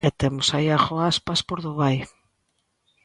E temos a Iago Aspas por Dubai.